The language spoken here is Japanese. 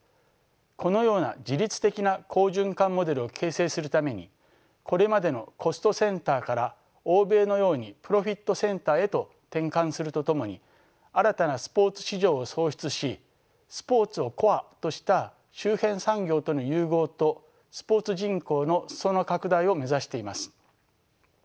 このような自律的な好循環モデルを形成するためにこれまでのコストセンターから欧米のようにプロフィットセンターへと転換するとともに新たなスポーツ市場を創出しスポーツをコアとした周辺産業との融合とスポーツ人口の裾野拡大を目指しています。